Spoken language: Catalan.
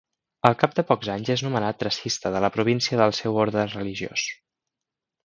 Al cap de pocs anys és nomenat tracista de la província del seu orde religiós.